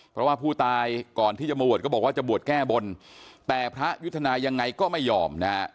เพราะว่าผู้ตายก่อนที่จะมาบวชก็บอกว่าจะบวชแก้บนแต่พระยุทธนายังไงก็ไม่ยอมนะฮะ